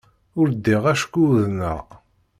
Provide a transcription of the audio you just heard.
Ur ddiɣ acku uḍneɣ.